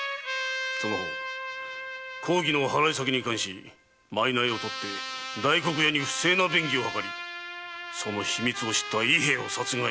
その方公儀の払い下げに関し賂を取り大黒屋に不正な便宜を図りその秘密を知った伊兵衛を殺害。